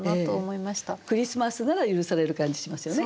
クリスマスなら許される感じしますよね。